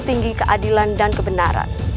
tinggi keadilan dan kebenaran